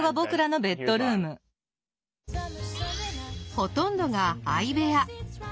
ほとんどが相部屋。